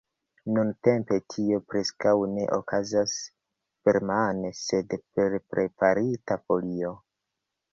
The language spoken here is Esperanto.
Nuntempe tio preskaŭ ne okazas permane, sed per preparita folio.